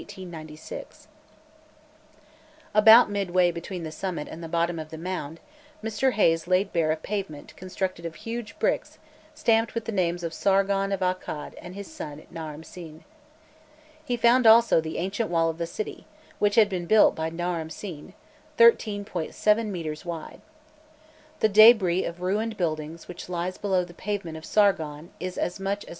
2, 1896). About midway between the summit and the bottom of the mound, Mr. Haynes laid bare a pavement constructed of huge bricks stamped with the names of Sargon of Akkad and his son Naram Sin. He found also the ancient wall of the city, which had been built by Naram Sin, 13.7 metres wide. The débris of ruined buildings which lies below the pavement of Sargon is as much as 9.